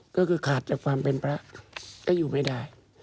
ก็คือขาดจากความเป็นพระก็อยู่ไม่ได้